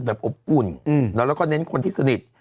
แล้วเราก็เน้นคนที่สนิท